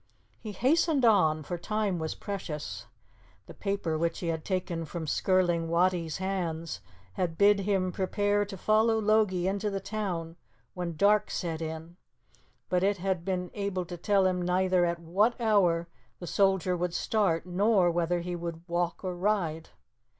He hastened on, for time was precious. The paper which he had taken from Skirling Wattie's hands had bid him prepare to follow Logie into the town when dark set in, but it had been able to tell him neither at what hour the soldier would start nor whether he would walk or ride.